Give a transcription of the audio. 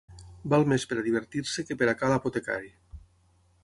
Val més per a divertir-se que per a ca l'apotecari.